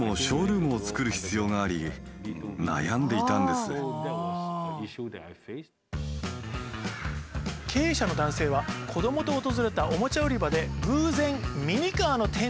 すごい！経営者の男性は子どもと訪れたおもちゃ売り場で偶然ミニカーの展示を目にしました。